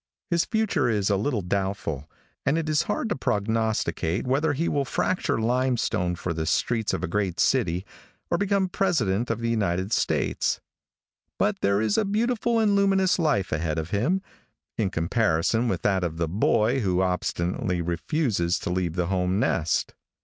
His future is a little doubtful, and it is hard to prognosticate whether he will fracture limestone for the streets of a great city, or become President of the United States; but there is a beautiful and luminous life ahead of him in comparison with that of the boy who obstinately refuses to leave the home nest.